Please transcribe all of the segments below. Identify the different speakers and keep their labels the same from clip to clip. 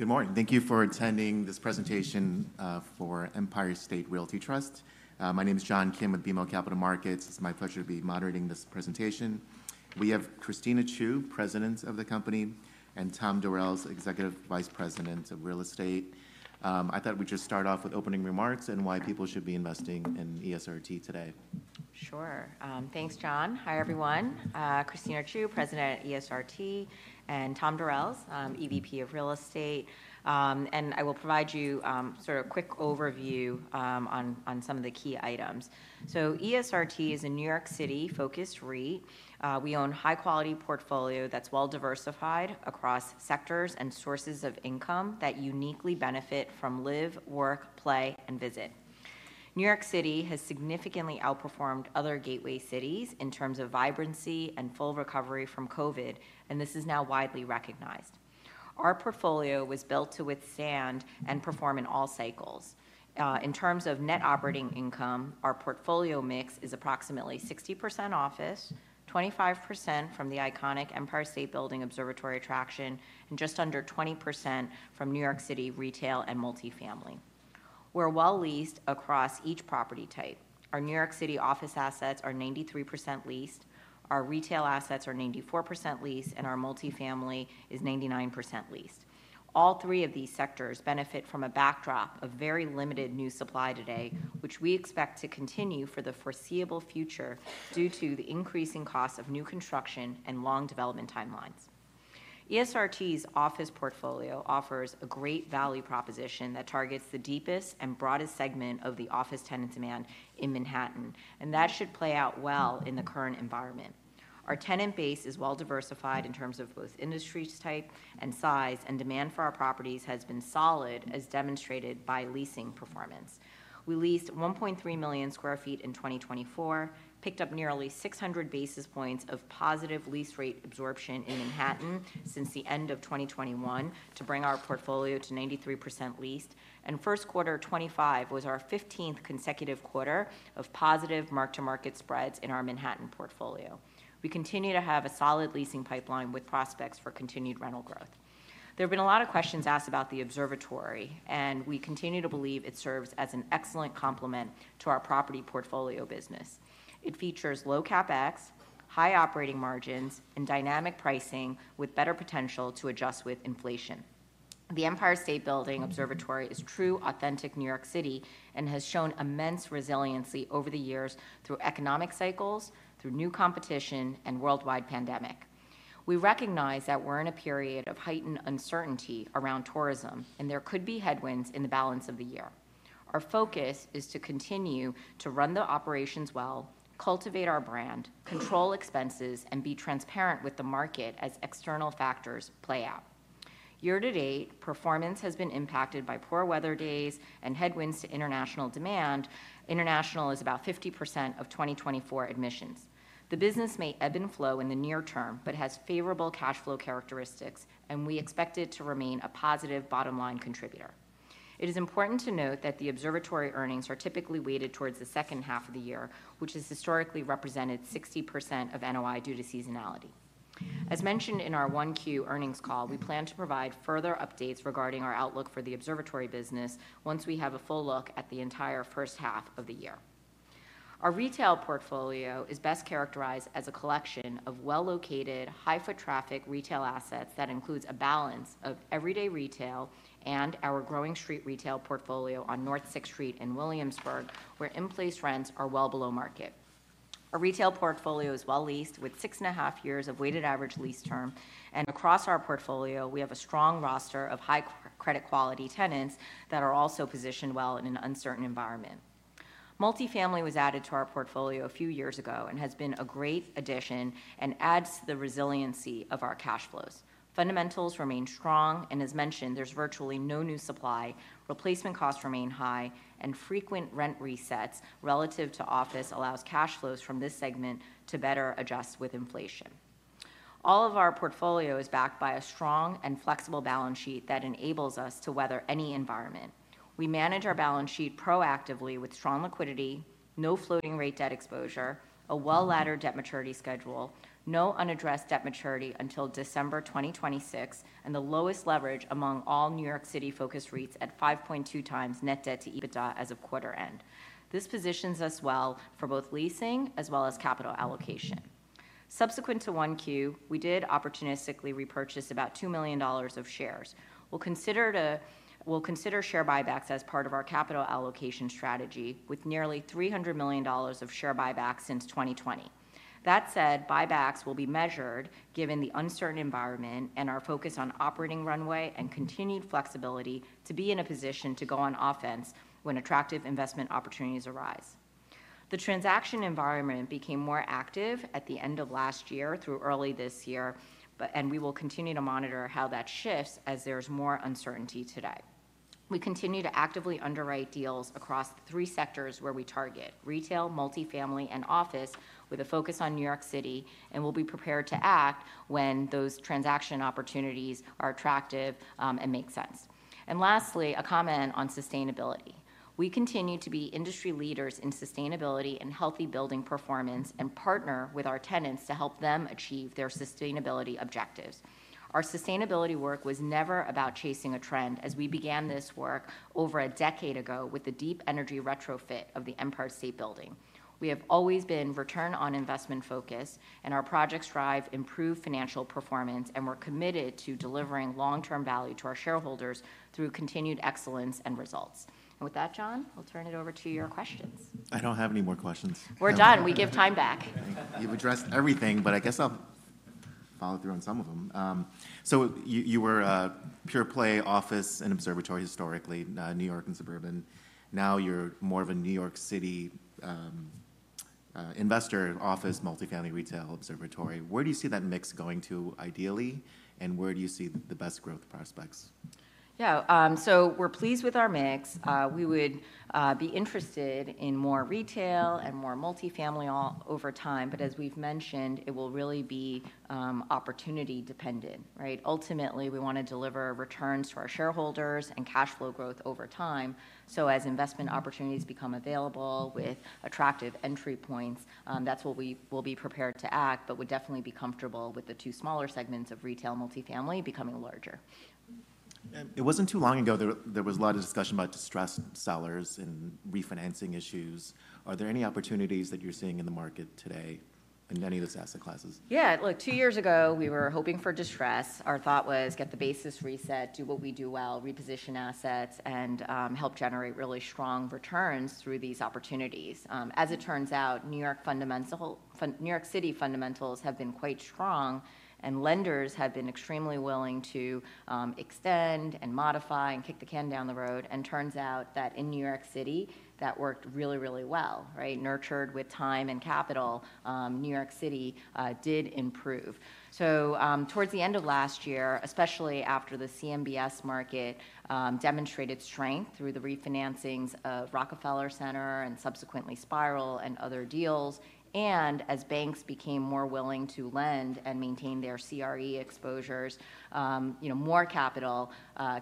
Speaker 1: Good morning. Thank you for attending this presentation for Empire State Realty Trust. My name is John Kim with BMO Capital Markets. It's my pleasure to be moderating this presentation. We have Christina Chiu, President of the company, and Tom Durels, Executive Vice President of Real Estate. I thought we'd just start off with opening remarks and why people should be investing in ESRT today.
Speaker 2: Sure. Thanks, John. Hi, everyone. Christina Chiu, President at ESRT, and Thomas Durels, EVP of Real Estate. I will provide you sort of a quick overview on some of the key items. ESRT is a New York City-focused REIT. We own a high-quality portfolio that is well-diversified across sectors and sources of income that uniquely benefit from live, work, play, and visit. New York City has significantly outperformed other gateway cities in terms of vibrancy and full recovery from COVID, and this is now widely recognized. Our portfolio was built to withstand and perform in all cycles. In terms of net operating income, our portfolio mix is approximately 60% office, 25% from the iconic Empire State Building Observatory attraction, and just under 20% from New York City retail and multifamily. We are well-leased across each property type. Our New York City office assets are 93% leased, our retail assets are 94% leased, and our multifamily is 99% leased. All three of these sectors benefit from a backdrop of very limited new supply today, which we expect to continue for the foreseeable future due to the increasing cost of new construction and long development timelines. ESRT's office portfolio offers a great value proposition that targets the deepest and broadest segment of the office tenant demand in Manhattan, and that should play out well in the current environment. Our tenant base is well-diversified in terms of both industry type and size, and demand for our properties has been solid, as demonstrated by leasing performance. We leased 1.3 million sq ft in 2024, picked up nearly 600 bps of positive lease rate absorption in Manhattan since the end of 2021 to bring our portfolio to 93% leased, and first quarter 2025 was our 15th consecutive quarter of positive mark-to-market spreads in our Manhattan portfolio. We continue to have a solid leasing pipeline with prospects for continued rental growth. There have been a lot of questions asked about the observatory, and we continue to believe it serves as an excellent complement to our property portfolio business. It features low CapEx, high operating margins, and dynamic pricing with better potential to adjust with inflation. The Empire State Building Observatory is true, authentic New York City and has shown immense resiliency over the years through economic cycles, through new competition, and worldwide pandemic. We recognize that we're in a period of heightened uncertainty around tourism, and there could be headwinds in the balance of the year. Our focus is to continue to run the operations well, cultivate our brand, control expenses, and be transparent with the market as external factors play out. Year to date, performance has been impacted by poor weather days and headwinds to international demand. International is about 50% of 2024 admissions. The business may ebb and flow in the near term but has favorable cash flow characteristics, and we expect it to remain a positive bottom-line contributor. It is important to note that the observatory earnings are typically weighted towards the second half of the year, which has historically represented 60% of NOI due to seasonality. As mentioned in our Q1 earnings call, we plan to provide further updates regarding our outlook for the observatory business once we have a full look at the entire first half of the year. Our retail portfolio is best characterized as a collection of well-located, high-foot traffic retail assets that includes a balance of everyday retail and our growing street retail portfolio on North 6th Street in Williamsburg, where in-place rents are well below market. Our retail portfolio is well-leased with six and a half years of weighted average lease term, and across our portfolio, we have a strong roster of high-credit quality tenants that are also positioned well in an uncertain environment. Multifamily was added to our portfolio a few years ago and has been a great addition and adds to the resiliency of our cash flows. Fundamentals remain strong, and as mentioned, there's virtually no new supply. Replacement costs remain high, and frequent rent resets relative to office allow cash flows from this segment to better adjust with inflation. All of our portfolio is backed by a strong and flexible balance sheet that enables us to weather any environment. We manage our balance sheet proactively with strong liquidity, no floating-rate debt exposure, a well-laddered debt maturity schedule, no unaddressed debt maturity until December 2026, and the lowest leverage among all New York City-focused REITs at 5.2 times net debt to EBITDA as of quarter end. This positions us well for both leasing as well as capital allocation. Subsequent to 1Q, we did opportunistically repurchase about $2 million of shares. We'll consider share buybacks as part of our capital allocation strategy with nearly $300 million of share buybacks since 2020. That said, buybacks will be measured given the uncertain environment and our focus on operating runway and continued flexibility to be in a position to go on offense when attractive investment opportunities arise. The transaction environment became more active at the end of last year through early this year, and we will continue to monitor how that shifts as there's more uncertainty today. We continue to actively underwrite deals across three sectors where we target: retail, multifamily, and office, with a focus on New York City, and we'll be prepared to act when those transaction opportunities are attractive and make sense. Lastly, a comment on sustainability. We continue to be industry leaders in sustainability and healthy building performance and partner with our tenants to help them achieve their sustainability objectives. Our sustainability work was never about chasing a trend, as we began this work over a decade ago with the deep energy retrofit of the Empire State Building. We have always been return-on-investment focused, and our projects drive improved financial performance, and we are committed to delivering long-term value to our shareholders through continued excellence and results. With that, John, we will turn it over to your questions.
Speaker 1: I don't have any more questions.
Speaker 2: We're done. We give time back.
Speaker 1: You've addressed everything, but I guess I'll follow through on some of them. You were a pure-play office and observatory historically, New York and suburban. Now you're more of a New York City investor, office, multifamily, retail, observatory. Where do you see that mix going to ideally, and where do you see the best growth prospects?
Speaker 2: Yeah. So we're pleased with our mix. We would be interested in more retail and more multifamily over time, but as we've mentioned, it will really be opportunity-dependent, right? Ultimately, we want to deliver returns to our shareholders and cash flow growth over time. As investment opportunities become available with attractive entry points, that's when we will be prepared to act, but would definitely be comfortable with the two smaller segments of retail and multifamily becoming larger.
Speaker 1: It wasn't too long ago there was a lot of discussion about distressed sellers and refinancing issues. Are there any opportunities that you're seeing in the market today in any of those asset classes?
Speaker 2: Yeah. Look, two years ago, we were hoping for distress. Our thought was, get the basis reset, do what we do well, reposition assets, and help generate really strong returns through these opportunities. As it turns out, New York City fundamentals have been quite strong, and lenders have been extremely willing to extend and modify and kick the can down the road. It turns out that in New York City, that worked really, really well, right? Nurtured with time and capital, New York City did improve. Towards the end of last year, especially after the CMBS market demonstrated strength through the refinancings of Rockefeller Center and subsequently Spiral and other deals, as banks became more willing to lend and maintain their CRE exposures, more capital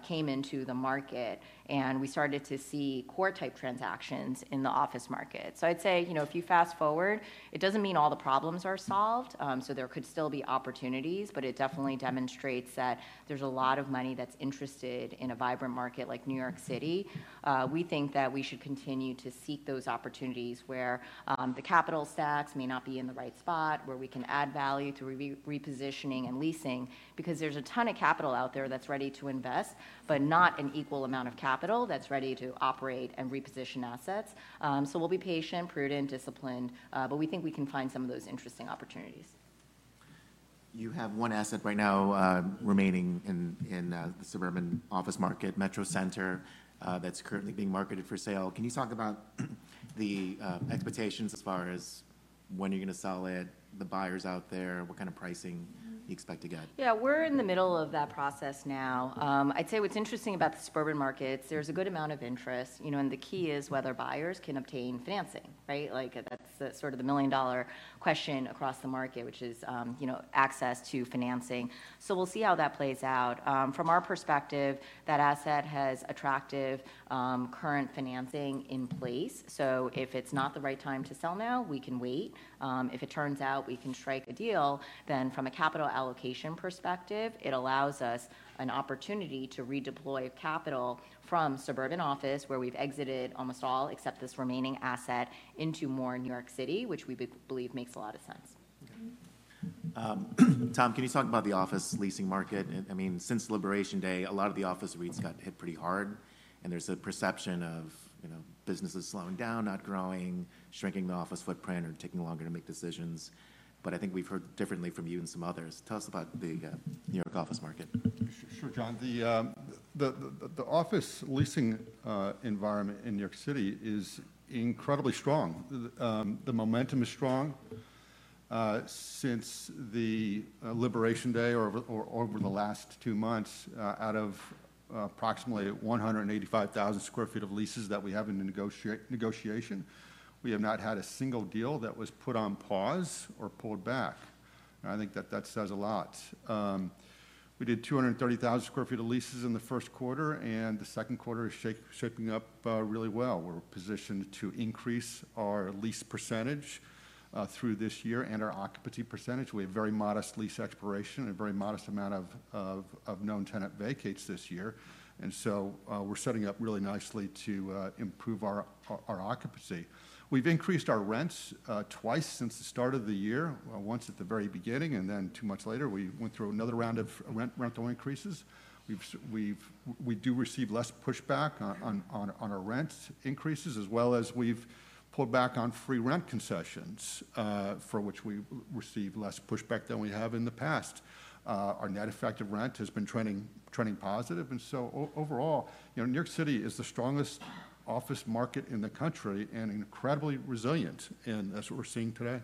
Speaker 2: came into the market, and we started to see core-type transactions in the office market. I'd say, you know, if you fast forward, it doesn't mean all the problems are solved, so there could still be opportunities, but it definitely demonstrates that there's a lot of money that's interested in a vibrant market like New York City. We think that we should continue to seek those opportunities where the capital stacks may not be in the right spot, where we can add value through repositioning and leasing, because there's a ton of capital out there that's ready to invest, but not an equal amount of capital that's ready to operate and reposition assets. We'll be patient, prudent, disciplined, but we think we can find some of those interesting opportunities.
Speaker 1: You have one asset right now remaining in the suburban office market, Metro Center, that's currently being marketed for sale. Can you talk about the expectations as far as when you're going to sell it, the buyers out there, what kind of pricing you expect to get?
Speaker 2: Yeah, we're in the middle of that process now. I'd say what's interesting about the suburban markets, there's a good amount of interest, you know, and the key is whether buyers can obtain financing, right? Like that's sort of the million-dollar question across the market, which is, you know, access to financing. We'll see how that plays out. From our perspective, that asset has attractive current financing in place, so if it's not the right time to sell now, we can wait. If it turns out we can strike a deal, then from a capital allocation perspective, it allows us an opportunity to redeploy capital from suburban office, where we've exited almost all except this remaining asset, into more New York City, which we believe makes a lot of sense.
Speaker 1: Tom, can you talk about the office leasing market? I mean, since Liberation Day, a lot of the office REITs got hit pretty hard, and there is a perception of, you know, businesses slowing down, not growing, shrinking the office footprint, or taking longer to make decisions. I think we have heard differently from you and some others. Tell us about the New York office market.
Speaker 3: Sure, John. The office leasing environment in New York City is incredibly strong. The momentum is strong since the Liberation Day or over the last two months. Out of approximately 185,000 sq ft of leases that we have in negotiation, we have not had a single deal that was put on pause or pulled back. I think that that says a lot. We did 230,000 sq ft of leases in the first quarter, and the second quarter is shaping up really well. We're positioned to increase our lease percentage through this year and our occupancy percentage. We have very modest lease expiration and a very modest amount of known tenant vacates this year, and so we're setting up really nicely to improve our occupancy. We've increased our rents twice since the start of the year, once at the very beginning, and then two months later, we went through another round of rental increases. We do receive less pushback on our rent increases, as well as we've pulled back on free rent concessions, for which we receive less pushback than we have in the past. Our net effective rent has been trending positive, and so overall, you know, New York City is the strongest office market in the country and incredibly resilient in that's what we're seeing today.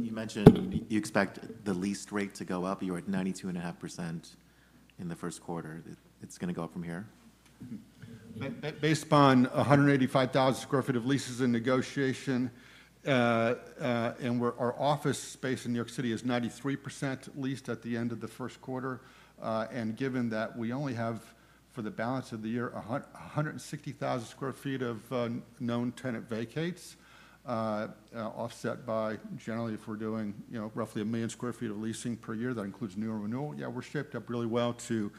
Speaker 1: You mentioned you expect the lease rate to go up. You were at 92.5% in the first quarter. It's going to go up from here?
Speaker 3: Based upon 185,000 sq ft of leases in negotiation, our office space in New York City is 93% leased at the end of the first quarter. Given that we only have, for the balance of the year, 160,000 sq ft of known tenant vacates, offset by generally, if we're doing, you know, roughly 1 million sq ft of leasing per year, that includes new or renewal, yeah, we're shaped up really well to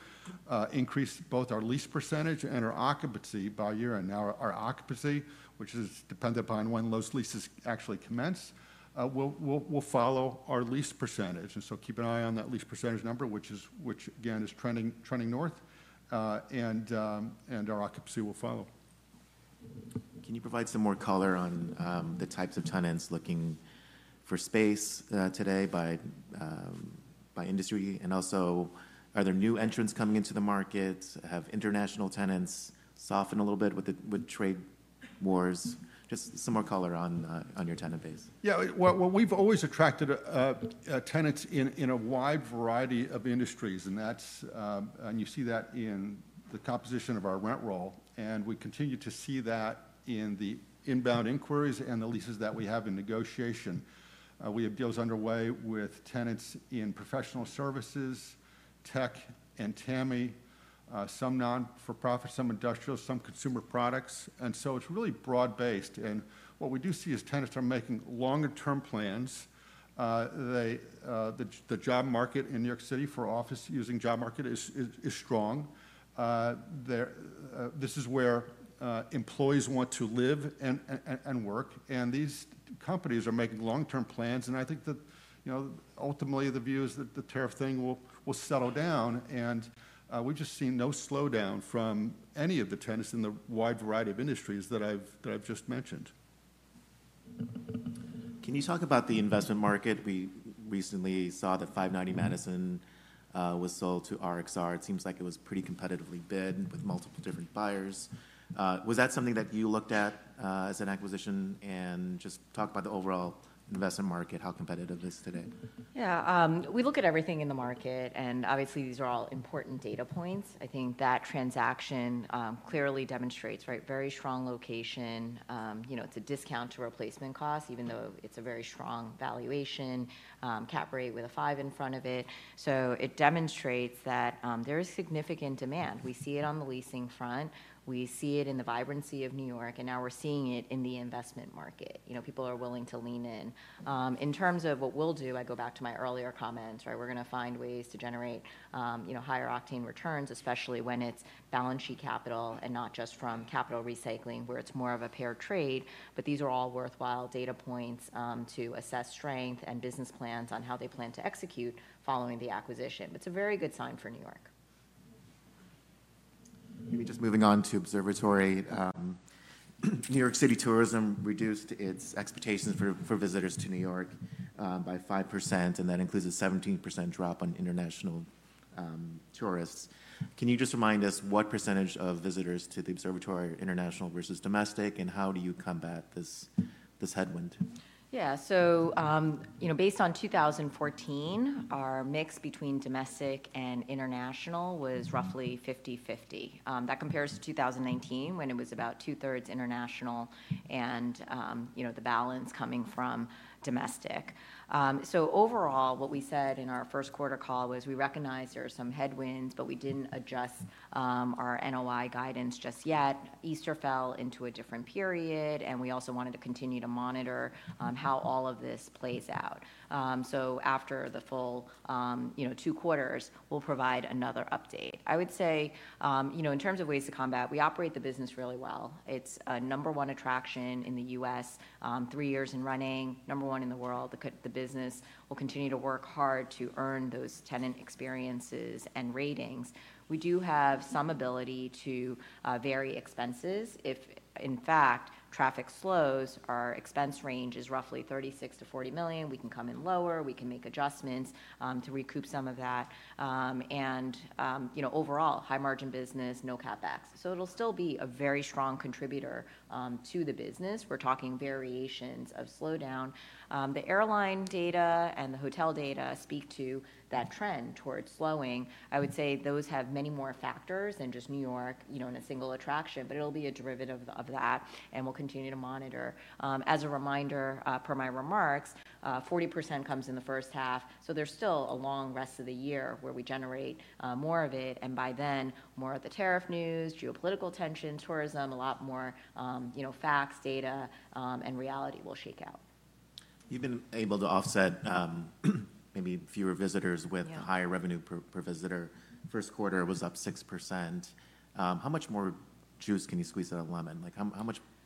Speaker 3: increase both our lease percentage and our occupancy by year. Now our occupancy, which is dependent upon when those leases actually commence, will follow our lease percentage. Keep an eye on that lease percentage number, which again, is trending North, and our occupancy will follow.
Speaker 1: Can you provide some more color on the types of tenants looking for space today by industry? Also, are there new entrants coming into the market? Have international tenants softened a little bit with trade wars? Just some more color on your tenant base.
Speaker 3: Yeah, we've always attracted tenants in a wide variety of industries, and that's, and you see that in the composition of our rent roll, and we continue to see that in the inbound inquiries and the leases that we have in negotiation. We have deals underway with tenants in professional services, tech, and TAMI, some non-for-profit, some industrial, some consumer products. It's really broad-based. What we do see is tenants are making longer-term plans. The job market in New York City for office-using job market is strong. This is where employees want to live and work, and these companies are making long-term plans. I think that, you know, ultimately the view is that the tariff thing will settle down, and we've just seen no slowdown from any of the tenants in the wide variety of industries that I've just mentioned.
Speaker 1: Can you talk about the investment market? We recently saw that 590 Madison was sold to RXR. It seems like it was pretty competitively bid with multiple different buyers. Was that something that you looked at as an acquisition? Just talk about the overall investment market, how competitive it is today.
Speaker 2: Yeah, we look at everything in the market, and obviously these are all important data points. I think that transaction clearly demonstrates, right, very strong location. You know, it's a discount to replacement cost, even though it's a very strong valuation, cap rate with a five in front of it. It demonstrates that there is significant demand. We see it on the leasing front. We see it in the vibrancy of New York, and now we're seeing it in the investment market. You know, people are willing to lean in. In terms of what we'll do, I go back to my earlier comments, right? We're going to find ways to generate, you know, higher octane returns, especially when it's balance sheet capital and not just from capital recycling, where it's more of a pair trade. These are all worthwhile data points to assess strength and business plans on how they plan to execute following the acquisition. It's a very good sign for New York.
Speaker 1: Maybe just moving on to observatory. New York City tourism reduced its expectations for visitors to New York by 5%, and that includes a 17% drop on international tourists. Can you just remind us what percentage of visitors to the observatory are international versus domestic, and how do you combat this headwind?
Speaker 2: Yeah, so, you know, based on 2014, our mix between domestic and international was roughly 50/50. That compares to 2019 when it was about 2/3 international and, you know, the balance coming from domestic. Overall, what we said in our first quarter call was we recognize there are some headwinds, but we did not adjust our NOI guidance just yet. Easter fell into a different period, and we also wanted to continue to monitor how all of this plays out. After the full, you know, two quarters, we will provide another update. I would say, you know, in terms of ways to combat, we operate the business really well. It is a number one attraction in the U.S., three years in running, number one in the world. The business will continue to work hard to earn those tenant experiences and ratings. We do have some ability to vary expenses. If, in fact, traffic slows, our expense range is roughly $36 million-$40 million. We can come in lower. We can make adjustments to recoup some of that. And, you know, overall, high-margin business, no CapEx. So it will still be a very strong contributor to the business. We are talking variations of slowdown. The airline data and the hotel data speak to that trend towards slowing. I would say those have many more factors than just New York, you know, in a single attraction, but it will be a derivative of that, and we will continue to monitor. As a reminder, per my remarks, 40% comes in the first half, so there is still a long rest of the year where we generate more of it, and by then, more of the tariff news, geopolitical tension, tourism, a lot more, you know, facts, data, and reality will shake out.
Speaker 1: You've been able to offset maybe fewer visitors with a higher revenue per visitor. First quarter was up 6%. How much more juice can you squeeze out of lemon? Like, how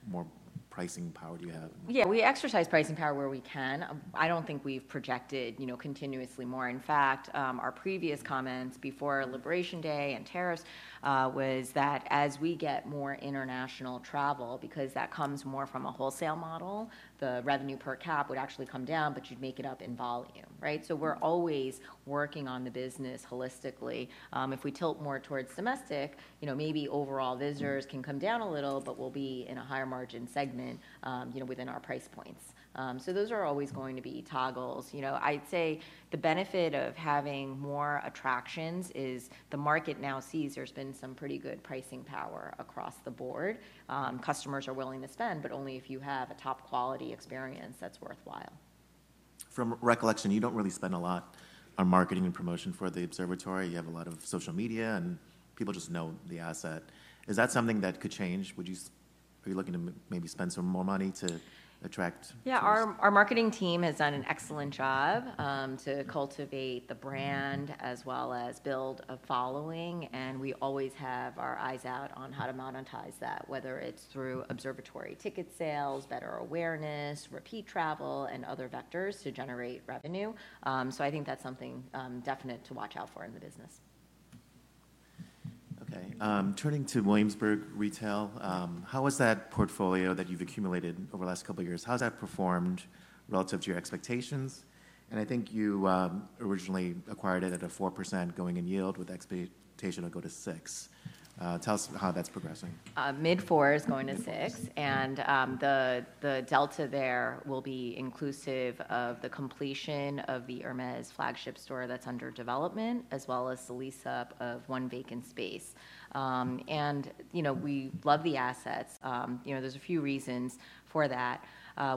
Speaker 1: much more pricing power do you have?
Speaker 2: Yeah, we exercise pricing power where we can. I do not think we have projected, you know, continuously more. In fact, our previous comments before Liberation Day and tariffs was that as we get more international travel, because that comes more from a wholesale model, the revenue per cap would actually come down, but you would make it up in volume, right? We are always working on the business holistically. If we tilt more towards domestic, you know, maybe overall visitors can come down a little, but we will be in a higher margin segment, you know, within our price points. Those are always going to be toggles. You know, I would say the benefit of having more attractions is the market now sees there has been some pretty good pricing power across the board. Customers are willing to spend, but only if you have a top-quality experience that is worthwhile.
Speaker 1: From recollection, you don't really spend a lot on marketing and promotion for the observatory. You have a lot of social media, and people just know the asset. Is that something that could change? Are you looking to maybe spend some more money to attract?
Speaker 2: Yeah, our marketing team has done an excellent job to cultivate the brand as well as build a following, and we always have our eyes out on how to monetize that, whether it's through observatory ticket sales, better awareness, repeat travel, and other vectors to generate revenue. I think that's something definite to watch out for in the business.
Speaker 1: Okay, turning to Williamsburg Retail, how has that portfolio that you've accumulated over the last couple of years, how has that performed relative to your expectations? I think you originally acquired it at a 4% going in yield with expectation to go to 6%. Tell us how that's progressing.
Speaker 2: Mid-four is going to six, and the delta there will be inclusive of the completion of the Hermes flagship store that's under development, as well as the lease-up of one vacant space. You know, we love the assets. You know, there's a few reasons for that.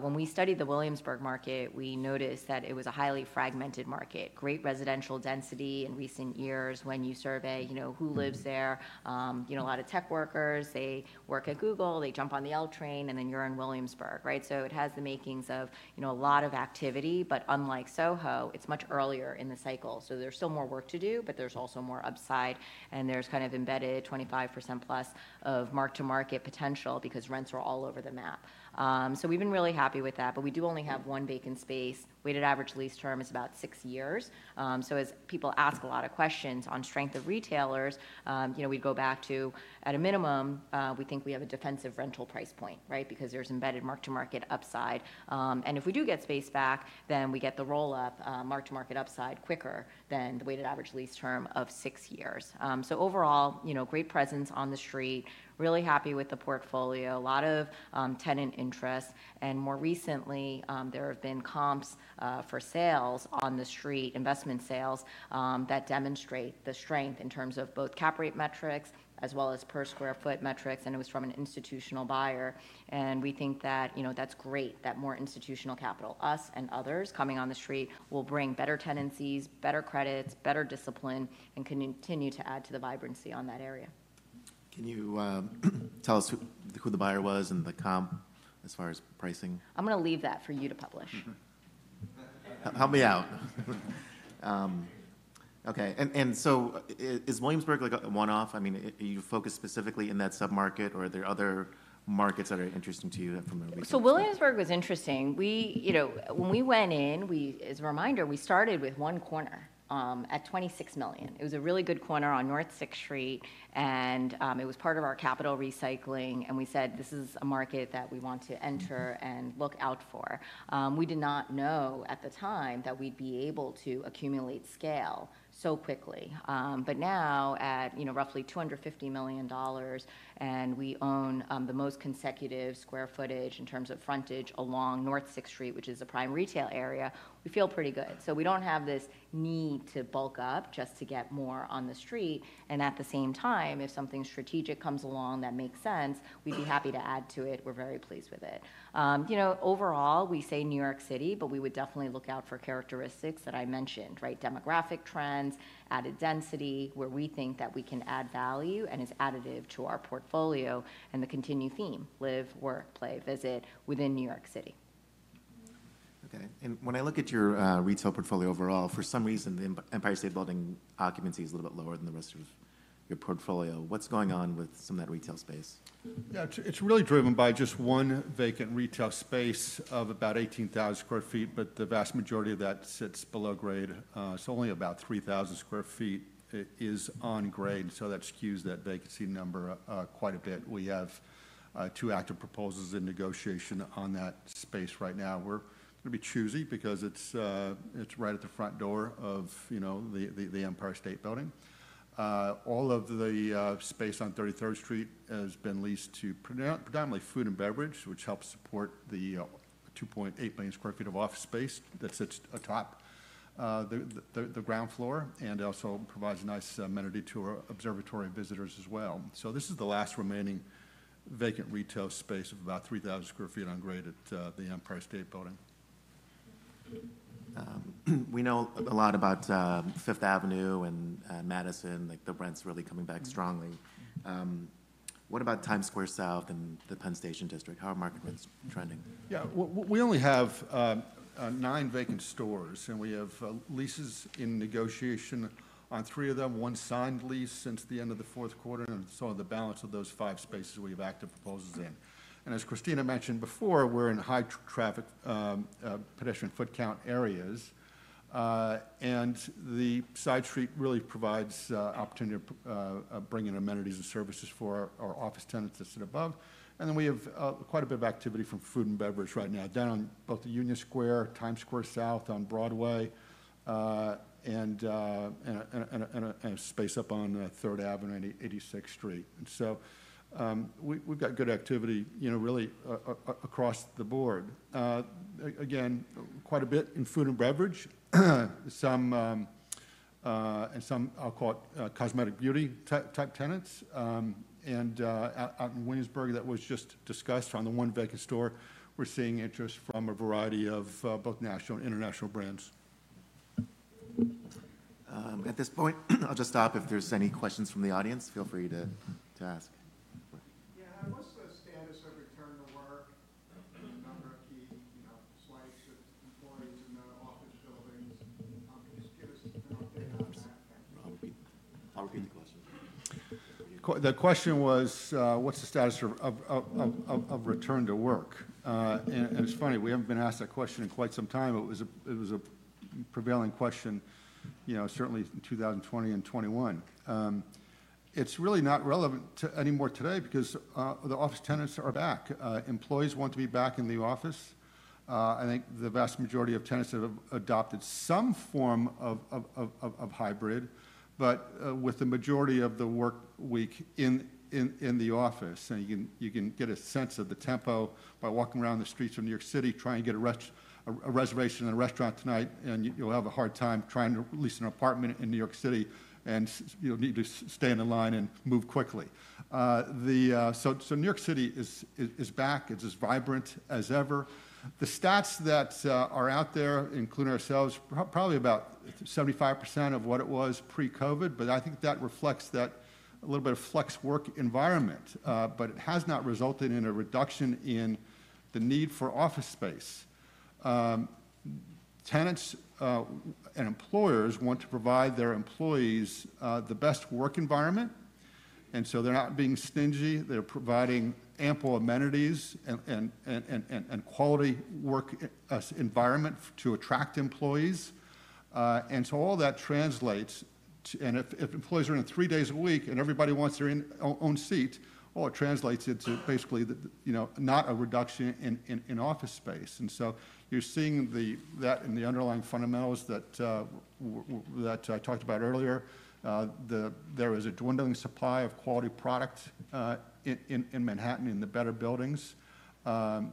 Speaker 2: When we studied the Williamsburg market, we noticed that it was a highly fragmented market, great residential density in recent years when you survey, you know, who lives there. You know, a lot of tech workers, they work at Google, they jump on the L train, and then you're in Williamsburg, right? It has the makings of, you know, a lot of activity, but unlike Soho, it's much earlier in the cycle. There's still more work to do, but there's also more upside, and there's kind of embedded 25%+ of mark-to-market potential because rents are all over the map. We have been really happy with that, but we do only have one vacant space. Weighted average lease term is about six years. As people ask a lot of questions on strength of retailers, you know, we go back to, at a minimum, we think we have a defensive rental price point, right? Because there is embedded mark-to-market upside. If we do get space back, then we get the roll-up mark-to-market upside quicker than the weighted average lease term of six years. Overall, you know, great presence on the street, really happy with the portfolio, a lot of tenant interest, and more recently, there have been comps for sales on the street, investment sales that demonstrate the strength in terms of both cap rate metrics as well as per square foot metrics, and it was from an institutional buyer. We think that, you know, that's great that more institutional capital, us and others coming on the street, will bring better tenancies, better credits, better discipline, and continue to add to the vibrancy on that area.
Speaker 1: Can you tell us who the buyer was and the comp as far as pricing?
Speaker 2: I'm going to leave that for you to publish.
Speaker 1: Help me out. Okay, is Williamsburg like a one-off? I mean, you focus specifically in that submarket, or are there other markets that are interesting to you from a leasing perspective?
Speaker 2: Williamsburg was interesting. We, you know, when we went in, we, as a reminder, we started with one corner at $26 million. It was a really good corner on North 6th Street, and it was part of our capital recycling, and we said, this is a market that we want to enter and look out for. We did not know at the time that we'd be able to accumulate scale so quickly. Now, at, you know, roughly $250 million, and we own the most consecutive square footage in terms of frontage along North 6th Street, which is a prime retail area, we feel pretty good. We do not have this need to bulk up just to get more on the street. At the same time, if something strategic comes along that makes sense, we'd be happy to add to it. We're very pleased with it. You know, overall, we say New York City, but we would definitely look out for characteristics that I mentioned, right? Demographic trends, added density, where we think that we can add value and is additive to our portfolio, and the continued theme, live, work, play, visit within New York City.
Speaker 1: Okay, and when I look at your retail portfolio overall, for some reason, the Empire State Building occupancy is a little bit lower than the rest of your portfolio. What's going on with some of that retail space?
Speaker 3: Yeah, it's really driven by just one vacant retail space of about 18,000 sq ft, but the vast majority of that sits below grade. It's only about 3,000 sq ft is on grade, so that skews that vacancy number quite a bit. We have two active proposals in negotiation on that space right now. We're going to be choosy because it's right at the front door of, you know, the Empire State Building. All of the space on 33rd Street has been leased to predominantly food and beverage, which helps support the 2.8 million sq ft of office space that sits atop the ground floor and also provides a nice amenity to our observatory visitors as well. This is the last remaining vacant retail space of about 3,000 sq ft on grade at the Empire State Building.
Speaker 1: We know a lot about 5th Avenue and Madison, like the rents really coming back strongly. What about Times Square South and the Penn Station District? How are market rents trending?
Speaker 3: Yeah, we only have nine vacant stores, and we have leases in negotiation on three of them. One signed lease since the end of the fourth quarter, and the balance of those five spaces we have active proposals in. As Christina mentioned before, we're in high-traffic pedestrian foot count areas, and the side street really provides opportunity to bring in amenities and services for our office tenants that sit above. We have quite a bit of activity from food and beverage right now down both the Union Square, Times Square South on Broadway, and a space up on 3rd Avenue and 86th Street. We have good activity, you know, really across the board. Again, quite a bit in food and beverage, and some, I'll call it cosmetic beauty type tenants. Out in Williamsburg, that was just discussed on the one vacant store, we're seeing interest from a variety of both national and international brands.
Speaker 1: At this point, I'll just stop. If there's any questions from the audience, feel free to ask. Yeah, what's the status of return to work? There's a number of key, you know, sites of employees in the office buildings. Just give us an update on that. I'll repeat the question.
Speaker 3: The question was, what's the status of return to work? It's funny, we haven't been asked that question in quite some time. It was a prevailing question, you know, certainly in 2020 and 2021. It's really not relevant anymore today because the office tenants are back. Employees want to be back in the office. I think the vast majority of tenants have adopted some form of hybrid, but with the majority of the work week in the office. You can get a sense of the tempo by walking around the streets of New York City, trying to get a reservation in a restaurant tonight, and you'll have a hard time trying to lease an apartment in New York City, and you'll need to stay in the line and move quickly. New York City is back. It's as vibrant as ever. The stats that are out there, including ourselves, probably about 75% of what it was pre-COVID, but I think that reflects that a little bit of flex work environment, but it has not resulted in a reduction in the need for office space. Tenants and employers want to provide their employees the best work environment, and so they're not being stingy. They're providing ample amenities and quality work environment to attract employees. All that translates, and if employees are in three days a week and everybody wants their own seat, it translates into basically, you know, not a reduction in office space. You're seeing that in the underlying fundamentals that I talked about earlier. There is a dwindling supply of quality product in Manhattan in the better buildings, and,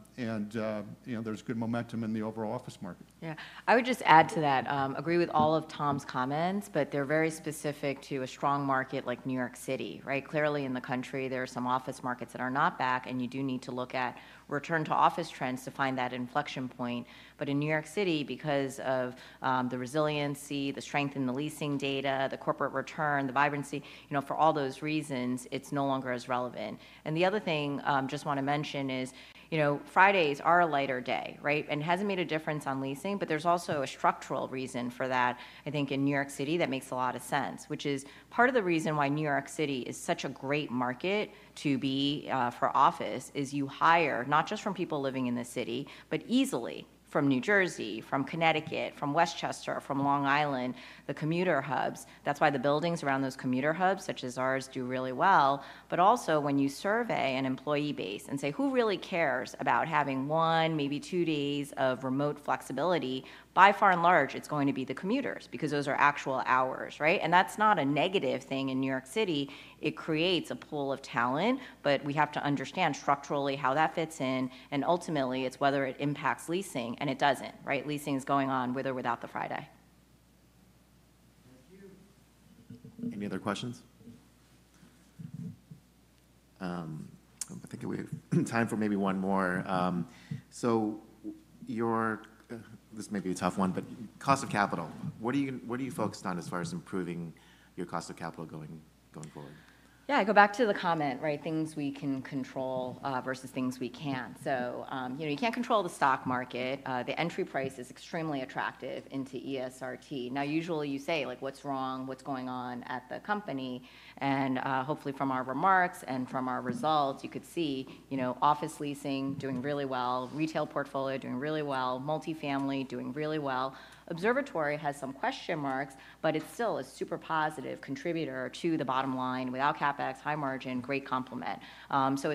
Speaker 3: you know, there's good momentum in the overall office market.
Speaker 2: Yeah, I would just add to that. Agree with all of Tom's comments, but they're very specific to a strong market like New York City, right? Clearly, in the country, there are some office markets that are not back, and you do need to look at return to office trends to find that inflection point. In New York City, because of the resiliency, the strength in the leasing data, the corporate return, the vibrancy, you know, for all those reasons, it's no longer as relevant. The other thing I just want to mention is, you know, Fridays are a lighter day, right? It has not made a difference on leasing, but there is also a structural reason for that, I think, in New York City that makes a lot of sense, which is part of the reason why New York City is such a great market to be for office is you hire not just from people living in the city, but easily from New Jersey, from Connecticut, from Westchester, from Long Island, the commuter hubs. That is why the buildings around those commuter hubs, such as ours, do really well. Also, when you survey an employee base and say, who really cares about having one, maybe two days of remote flexibility, by far and large, it is going to be the commuters because those are actual hours, right? That is not a negative thing in New York City. It creates a pool of talent, but we have to understand structurally how that fits in, and ultimately, it's whether it impacts leasing, and it doesn't, right? Leasing is going on with or without the Friday.
Speaker 1: Any other questions? I think we have time for maybe one more. Your, this may be a tough one, but cost of capital, what are you focused on as far as improving your cost of capital going forward?
Speaker 2: Yeah, I go back to the comment, right? Things we can control versus things we can't. You know, you can't control the stock market. The entry price is extremely attractive into ESRT. Now, usually you say, like, what's wrong? What's going on at the company? Hopefully, from our remarks and from our results, you could see, you know, office leasing doing really well, retail portfolio doing really well, multifamily doing really well. Observatory has some question marks, but it's still a super positive contributor to the bottom line without CapEx, high margin, great complement.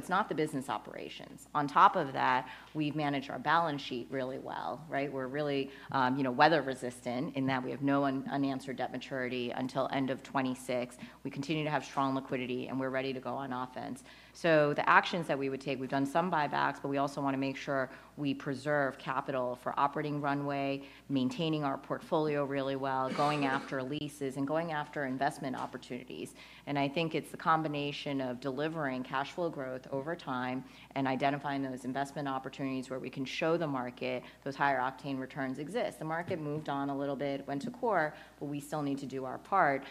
Speaker 2: It's not the business operations. On top of that, we've managed our balance sheet really well, right? We're really, you know, weather resistant in that we have no unanswered debt maturity until end of 2026. We continue to have strong liquidity, and we're ready to go on offense. The actions that we would take, we've done some buybacks, but we also want to make sure we preserve capital for operating runway, maintaining our portfolio really well, going after leases, and going after investment opportunities. I think it's the combination of delivering cash flow growth over time and identifying those investment opportunities where we can show the market those higher octane returns exist. The market moved on a little bit, went to core, but we still need to do our part.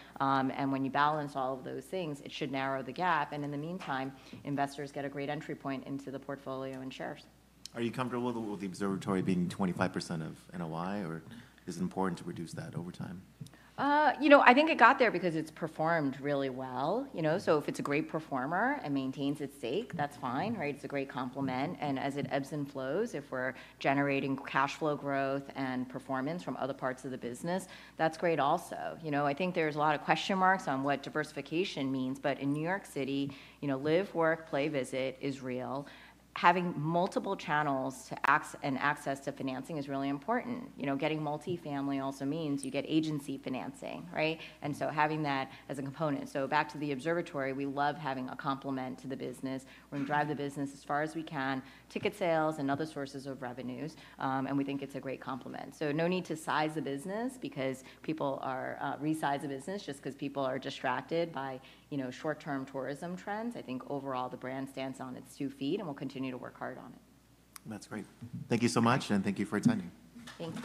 Speaker 2: When you balance all of those things, it should narrow the gap. In the meantime, investors get a great entry point into the portfolio and shares.
Speaker 1: Are you comfortable with the observatory being 25% of NOI, or is it important to reduce that over time?
Speaker 2: You know, I think it got there because it's performed really well, you know? If it's a great performer and maintains its sake, that's fine, right? It's a great complement. As it ebbs and flows, if we're generating cash flow growth and performance from other parts of the business, that's great also. You know, I think there's a lot of question marks on what diversification means, but in New York City, you know, live, work, play, visit is real. Having multiple channels and access to financing is really important. You know, getting multifamily also means you get agency financing, right? Having that as a component. Back to the observatory, we love having a complement to the business. We're going to drive the business as far as we can, ticket sales and other sources of revenues, and we think it's a great complement. No need to size the business because people resize the business just because people are distracted by, you know, short-term tourism trends. I think overall the brand stands on its two feet, and we'll continue to work hard on it.
Speaker 1: That's great. Thank you so much, and thank you for attending.
Speaker 2: Thanks.